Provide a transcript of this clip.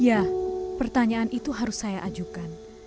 ya pertanyaan itu harus saya ajukan